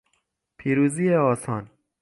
پیروزی آسان